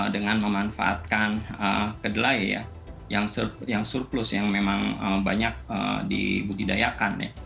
dengan memanfaatkan kedelai ya yang surplus yang memang banyak dibudidayakan